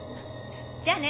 じゃあね。